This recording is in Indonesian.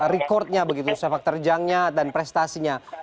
rekord nya begitu sepak terjang nya dan prestasinya